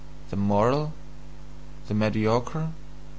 The "moral"? The mediocre?